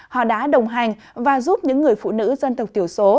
họ đã đồng hành và giúp những người phụ nữ dân tộc thiểu số